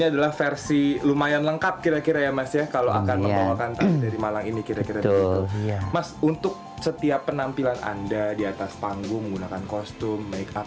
dari makeup sampai kostum